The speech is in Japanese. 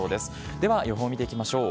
では予報、見ていきましょう。